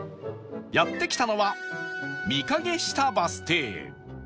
やって来たのは御蔭下バス停